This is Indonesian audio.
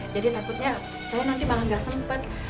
jadi takutnya saya nanti malah gak sempet